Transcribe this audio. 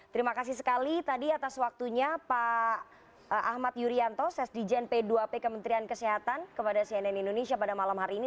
terima kasih sekali tadi atas waktunya pak ahmad yuryanto sesdijen p dua p kementerian kesehatan kepada cnn indonesia pada malam hari ini